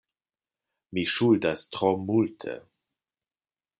Mi ŝuldas tro multe,...